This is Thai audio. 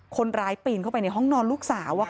ปีนเข้าไปในห้องนอนลูกสาว